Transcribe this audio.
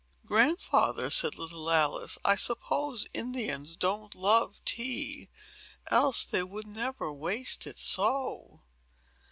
"Grandfather," said little Alice, "I suppose Indians don't love tea; else they would never waste it so."